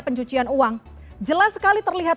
pencucian uang jelas sekali terlihat